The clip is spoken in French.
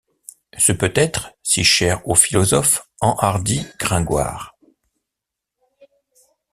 Ce peut-être, si cher aux philosophes, enhardit Gringoire.